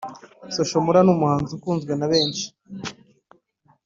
Social Mula ni umuhanzi ukunzwe na benshi